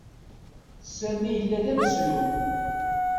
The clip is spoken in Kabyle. Sami yella d ameslub.